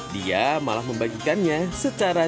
dia malah membagikannya secara